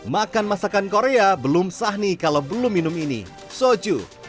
makan masakan korea belum sah nih kalau belum minum ini soju